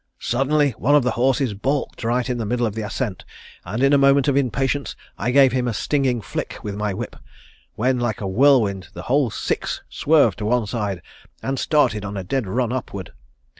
Suddenly one of the horses balked right in the middle of the ascent, and in a moment of impatience I gave him a stinging flick with my whip, when like a whirlwind the whole six swerved to one side and started on a dead run upward.